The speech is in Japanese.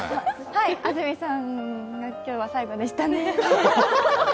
はい、安住さんが今日は最後でしたね。